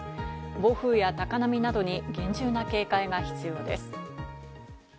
暴風や高波などに厳重な警戒が必要です。